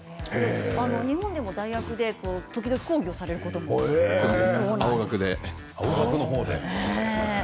日本でも大学で時々講義をされることもあるそうです。